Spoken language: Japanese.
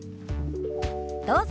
どうぞ。